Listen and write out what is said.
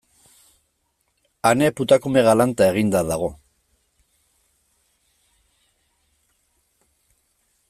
Ane putakume galanta eginda dago.